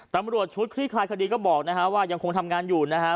ตำรวจชุดคลี่คลายคดีก็บอกนะฮะว่ายังคงทำงานอยู่นะฮะ